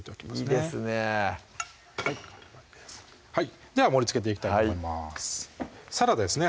いいですねでは盛りつけていきたいと思いますサラダですね